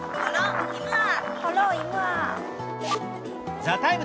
「ＴＨＥＴＩＭＥ，」